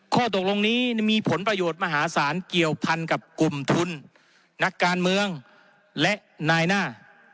ข้อตกลงนี้มีผลประโยชน์มหาศาลเกี่ยวพันกับกลุ่มทุนนักการเมืองและนายหน้า